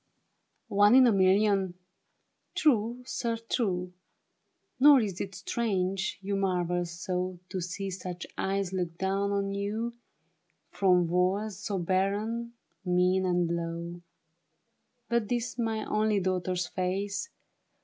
NE in a million ? True, sir, true ; Nor is it strange you marvel so To see such eyes look down on you From walls so barren, mean and low. But 'tis my only daughter's face.